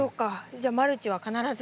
じゃあマルチは必ず。